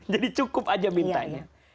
jadi cukup aja mintanya